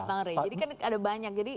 bang rey jadi kan ada banyak jadi